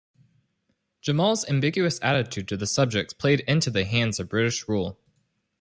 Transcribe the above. Jamal's ambiguous attitude to the subjects played into the hands of British rule.